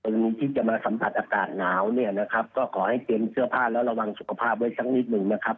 คนที่จะมาสัมผัสอากาศหนาวเนี่ยนะครับก็ขอให้เตรียมเสื้อผ้าแล้วระวังสุขภาพไว้สักนิดหนึ่งนะครับ